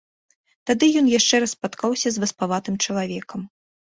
Тады ён яшчэ раз спаткаўся з васпаватым чалавекам.